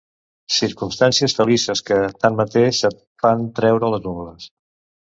Circumstàncies felices que, tanmateix, et fan treure les ungles.